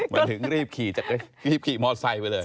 มันถึงรีบขี่รีบขี่มอไซค์ไปเลย